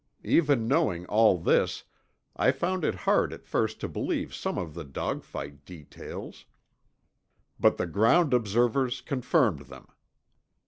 Even knowing all this, I found it hard at first to believe some of the dogfight details. But the ground observers confirmed them.